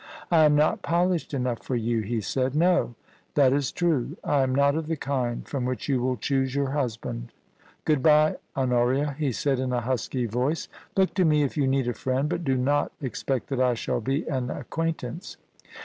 * I am not polished enough for you,' he said. * No ; that is true ; I am not of the kind from which you will choose your husband. Good bye, Honoria,' he said in a husky voice. * Look to me if you need a friend, but do not ex pect that I shall be an acquaintance.